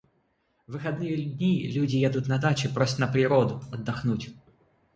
В выходные дни, люди едут на дачи и просто на природу отдохнуть.